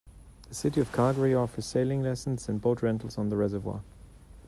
The City of Calgary offers sailing lessons and boat rentals on the reservoir.